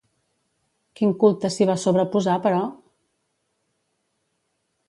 Quin culte s'hi va sobreposar, però?